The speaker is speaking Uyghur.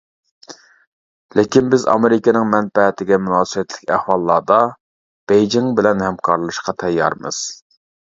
لېكىن، بىز ئامېرىكىنىڭ مەنپەئەتىگە مۇناسىۋەتلىك ئەھۋاللاردا بېيجىڭ بىلەن ھەمكارلىشىشقا تەييارمىز.